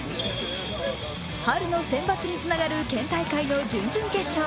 春の選抜につながる県大会の準々決勝。